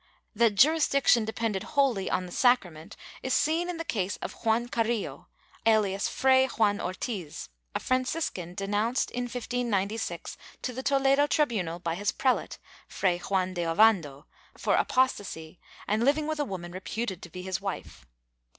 ^ That jurisdiction depended wholly on the sacrament is seen in the case of Juan Carrillo, alias Fray Juan Ortiz, a Fran ciscan denounced, in 1596, to the Toledo tribunal by his prelate, Fray Juan de Ovando, for apostasy and living with a woman reputed to be his wife.